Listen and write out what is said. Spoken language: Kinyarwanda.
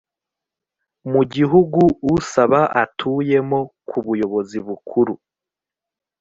mu gihugu usaba atuyemo ku buyobozi bukuru